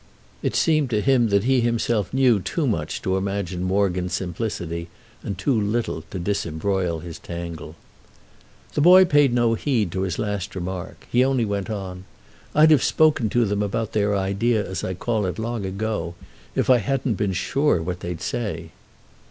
It seemed to him that he himself knew too much to imagine Morgan's simplicity and too little to disembroil his tangle. The boy paid no heed to his last remark; he only went on: "I'd have spoken to them about their idea, as I call it, long ago, if I hadn't been sure what they'd say."